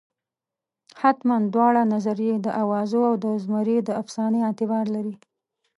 حتمالاً دواړه نظریې د اوازو او د زمري د افسانې اعتبار لري.